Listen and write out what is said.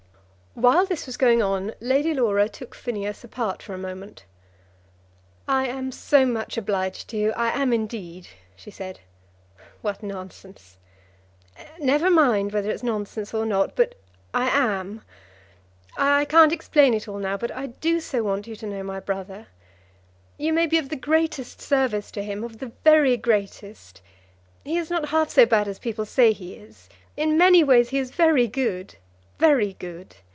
While this was going on Lady Laura took Phineas apart for a moment. "I am so much obliged to you; I am indeed," she said. "What nonsense!" "Never mind whether it's nonsense or not; but I am. I can't explain it all now, but I do so want you to know my brother. You may be of the greatest service to him, of the very greatest. He is not half so bad as people say he is. In many ways he is very good, very good.